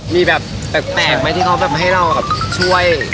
มีแบบแปลกไหมที่เขาแบบให้เราแบบช่วย